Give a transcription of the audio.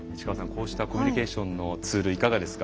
こうしたコミュニケーションのツールいかがですか？